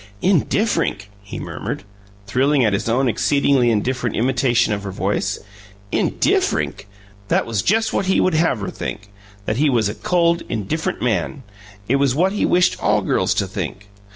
"'Indifferink'!" he murmured, thrilling at his own exceedingly indifferent imitation of her voice. "Indifferink!" that was just what he would have her think that he was a cold, indifferent man. It was what he wished all girls to think.